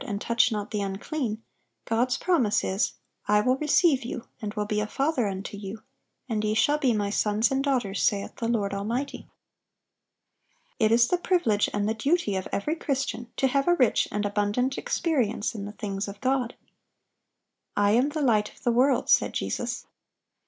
and touch not the unclean," God's promise is, "I will receive you, and will be a Father unto you, and ye shall be My sons and daughters, saith the Lord Almighty."(819) It is the privilege and the duty of every Christian to have a rich and abundant experience in the things of God. "I am the light of the world," said Jesus.